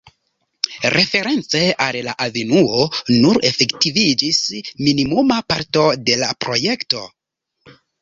Reference al la avenuo, nur efektiviĝis minimuma parto de la projekto.